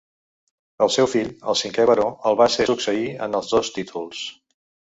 El seu fill, el cinquè baró, el va ser succeir en els dos títols.